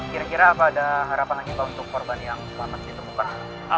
kira kira apa ada harapan lagi pak untuk korban yang selamat ditemukan